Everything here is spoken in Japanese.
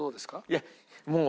いやもう。